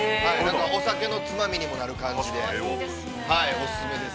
お酒のつまみにもなる感じで。